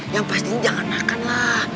yang pasti ini jangan makan lah